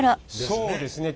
そうですね。